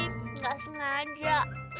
sorry gak sengaja